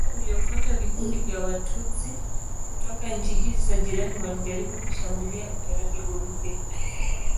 Mwaka uliofuata vikundi vya Watutsi kutoka nchi hizi za jirani walijaribu kushambulia utaratibu mpya.